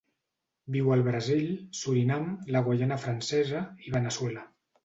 Viu al Brasil, Surinam, la Guaiana Francesa i Veneçuela.